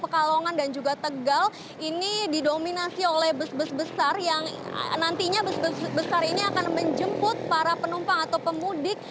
pekalongan dan juga tegal ini didominasi oleh bus bus besar yang nantinya bus bus besar ini akan menjemput para penumpang atau pemudik